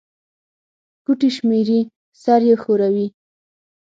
ګوتي شمېري، سر يې ښوري